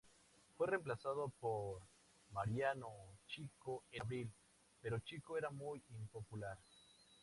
Fue reemplazado por Mariano Chico en abril, pero Chico era muy impopular.